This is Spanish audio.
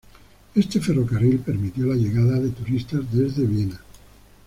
Este ferrocarril permitió la llegada de turistas desde Viena.